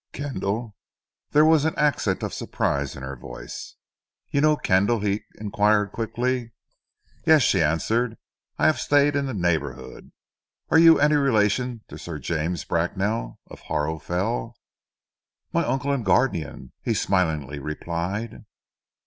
"Kendal?" There was an accent of surprise in her voice. "You know Kendal?" he inquired quickly. "Yes," she answered. "I have stayed in the neighbourhood. Are you any relation of Sir James Bracknell of Harrowfell?" "My uncle and guardian," he smilingly replied.